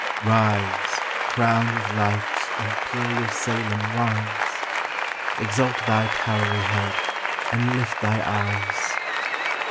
Rise, crowned with light, imperial Salem, rise! Exalt thy towery head, and lift thy eyes!